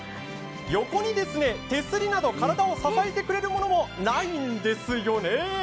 横に手すりなど体を支えてくれるものもないんですよね。